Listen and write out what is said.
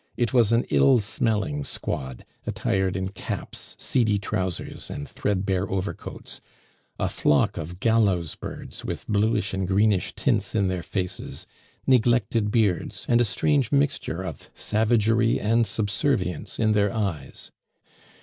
It was an ill smelling squad, attired in caps, seedy trousers, and threadbare overcoats; a flock of gallows birds with bluish and greenish tints in their faces, neglected beards, and a strange mixture of savagery and subservience in their eyes.